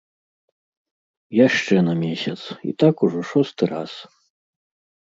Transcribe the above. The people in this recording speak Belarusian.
Яшчэ на месяц, і так ужо шосты раз.